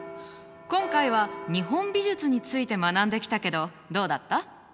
今回は日本美術について学んできたけどどうだった？